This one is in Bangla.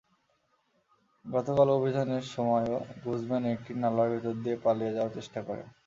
গতকাল অভিযানের সময়ও গুজম্যান একটি নালার ভেতর দিয়ে পালিয়ে যাওয়ার চেষ্টা করেন।